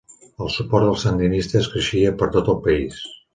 El suport als sandinistes creixia per tot el país.